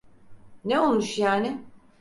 Ne olmuş yani?